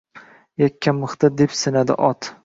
Yakkamixda depsinadi ot.